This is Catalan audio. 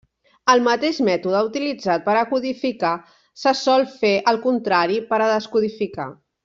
El mateix mètode utilitzat per a codificar se sol fer al contrari per a descodificar.